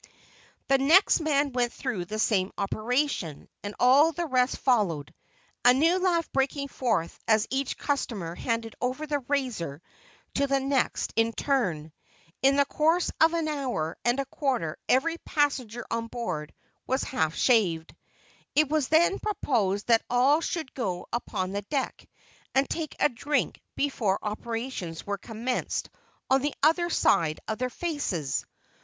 The next man went through the same operation, and all the rest followed; a new laugh breaking forth as each customer handed over the razor to the next in turn. In the course of an hour and a quarter every passenger on board was half shaved. It was then proposed that all should go upon deck and take a drink before operations were commenced on the other side of their faces.